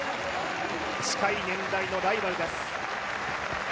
近い年代のライバルです。